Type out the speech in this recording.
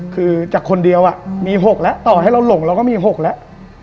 คือจากคนเดียวมี๖แล้วต่อให้เราหลงเราก็มี๖แล้ว